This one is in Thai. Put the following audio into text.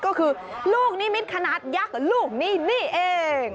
ก็คือลูกนิมิตรขนาดยักษ์ลูกนี้นี่เอง